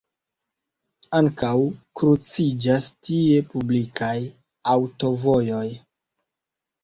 Ankaŭ kruciĝas tie publikaj aŭtovojoj.